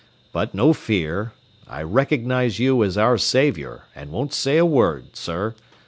But no fear! I recognize you as our saviour, an' won't say a word, sir.